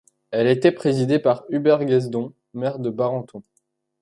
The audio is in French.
Elle était présidée par Hubert Guesdon, maire de Barenton.